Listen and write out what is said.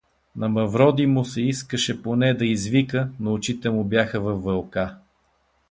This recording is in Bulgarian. На Мавроди му се искаше поне да извика, но очите му бяха във вълка.